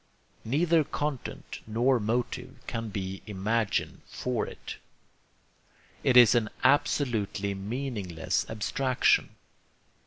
Neither content nor motive can be imagined for it. It is an absolutely meaningless abstraction.